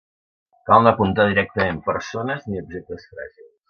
Cal no apuntar directament persones ni objectes fràgils.